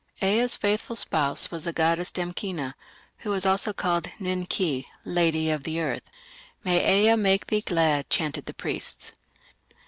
Ea's "faithful spouse" was the goddess Damkina, who was also called Nin ki, "lady of the earth". "May Ea make thee glad", chanted the priests.